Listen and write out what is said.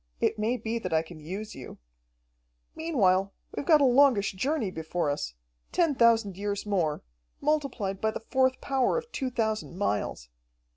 It may be that I can use you. "Meanwhile we've got a longish journey before us, ten thousand years more, multiplied by the fourth power of two thousand miles.